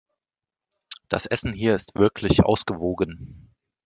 Das Essen hier ist wirklich ausgewogen.